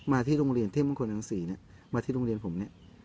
ที่โรงเรียนเทพมงคลรังศรีเนี่ยมาที่โรงเรียนผมเนี่ย